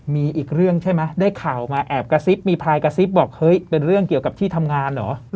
มีอีกเรื่องใช่ไหมได้ข่าวมาแอบกระซิบมีพลายกระซิบบอกเฮ้ยเป็นเรื่องเกี่ยวกับที่ทำงานเหรอ